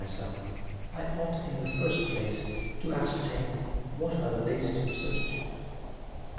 myself, I ought in the first place to ascertain what are the bases of certitude."